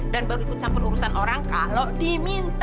dan berikut campur urusan orang kalau diminta